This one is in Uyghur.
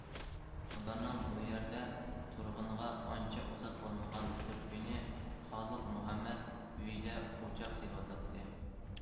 ئۇلارنىڭ بۇ يەردە تۇرغىنىغا ئانچە ئۇزاق بولمىغان بىر كۈنى، خالىق مۇھەممەد ئۆيىدە ئوچاق سېلىۋاتاتتى.